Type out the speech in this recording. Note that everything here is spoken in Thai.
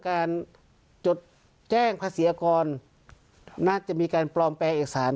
จดแจ้งภาษีกรน่าจะมีการปลอมแปลงเอกสาร